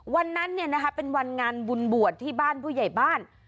วันนั้นเป็นวันงานบุญบวชที่บ้านผู้ใหญ่บ้าน